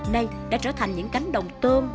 nay đã trở thành những cánh đồng tôm